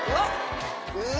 うわ！